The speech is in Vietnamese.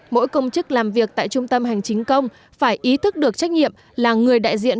mỗi công chức làm việc tại trung tâm hành chính công phải ý thức được trách nhiệm là người đại diện